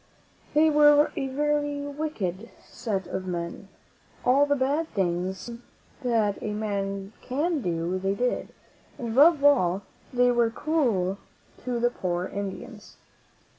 They were a very wicked set of men. All the bad things that a man can do they did; but above all, they were cruel to the poor Indians.